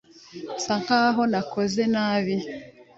Nsa nkaho nakoze nabi.